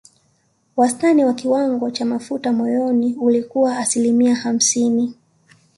Wastani wa kiwango cha mafuta moyoni ulikuwa asilimia hamsini